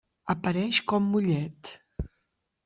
Apareix com Mollet.